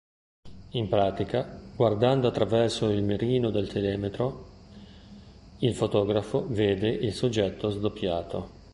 In pratica, guardando attraverso il mirino del telemetro, il fotografo vede il soggetto "sdoppiato".